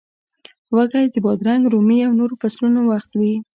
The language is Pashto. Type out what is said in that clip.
وږی د بادرنګ، رومي او نورو فصلونو وخت وي.